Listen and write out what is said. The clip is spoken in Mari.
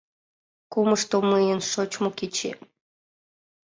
— Кумышто мыйын шочмо кечем.